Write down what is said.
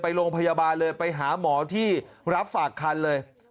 โรงพยาบาลเลยไปหาหมอที่รับฝากคันเลย